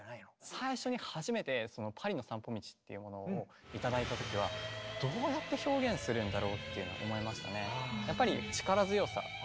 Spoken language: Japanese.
最初に初めて「パリの散歩道」っていうものを頂いたときはどうやって表現するんだろうっていうのは思いましたね。